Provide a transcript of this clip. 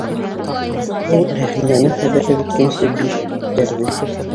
Ул Рәхимәнең хәбәре бөткәнсе биш үҙгәрҙе.